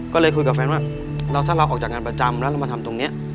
ก็เลยคุยกับแฟนว่าถ้าเราออกจากงานประจำแล้วเรามาทำตรงนี้